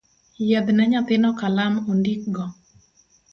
Yiedhne nyathino kalam ondikgo.